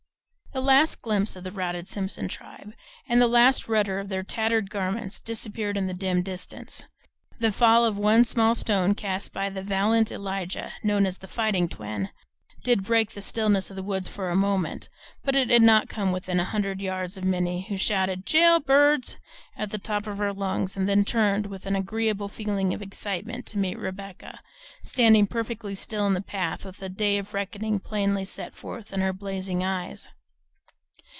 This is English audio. The last glimpse of the routed Simpson tribe, and the last futter of their tattered garments, disappeared in the dim distance. The fall of one small stone cast by the valiant Elijah, known as "the fighting twin," did break the stillness of the woods for a moment, but it did not come within a hundred yards of Minnie, who shouted "Jail Birds" at the top of her lungs and then turned, with an agreeable feeling of excitement, to meet Rebecca, standing perfectly still in the path, with a day of reckoning plainly set forth in her blazing eyes.